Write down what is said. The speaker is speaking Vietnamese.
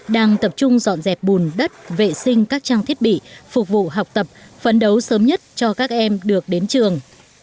đang tập trung dọn dẹp bùn đất vệ sinh các trang thiết bị phục vụ học tập phấn đấu sớm nhất cho các em được đến trường